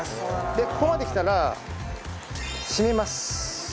でここまで来たら締めます。